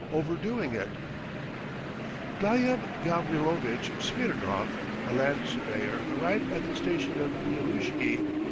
OVERDOING IT GLYEB GAVRILOVITCH SMIRNOV, a land surveyor, arrived at the station of Gnilushki.